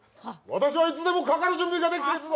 私はいつでもかかる準備ができてるぞ！